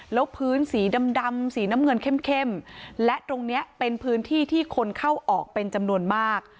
แล้วพื้นสีดำสีน้ำเงินเข้มและตรงเนี้ยเป็นพื้นที่ที่คนเข้าออกเป็นจำนวนมาก